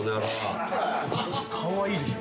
顔はいいでしょ。